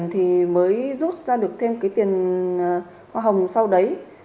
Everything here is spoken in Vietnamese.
thì mới rút ra được thêm cái tiền hoa hồng sau đấy